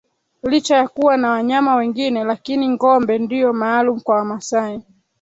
Licha ya kuwa na wanyama wengine lakini ngombe ndio maalum kwa wamasai